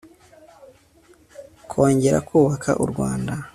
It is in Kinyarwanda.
kongera kubaka u rwanda